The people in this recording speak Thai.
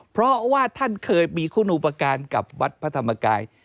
เพราะว่าท่านเคยมีคุณอุปการณ์กับวัดพระธรรมกาย